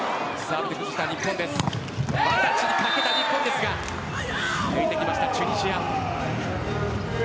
ワンタッチにかけた日本ですが抜いてきたチュニジア。